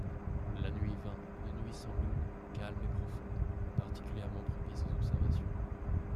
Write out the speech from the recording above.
La nuit vint, une nuit sans lune, calme et profonde, particulièrement propice aux observations...